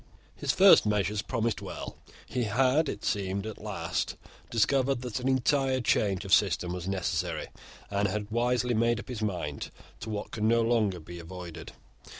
His first measures promised well. He had, it seemed, at last discovered that an entire change of system was necessary, and had wisely made up his mind to what could no longer be avoided.